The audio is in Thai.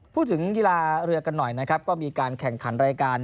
พูดถึงกีฬาเรือกันหน่อยนะครับก็มีการแข่งขันรายการ